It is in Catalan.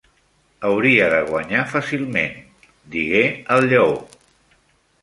"Hauria de guanyar fàcilment", digué el Lleó.